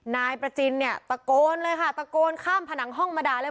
นายประจินเนี่ยตะโกนเลยค่ะตะโกนข้ามผนังห้องมาด่าเลย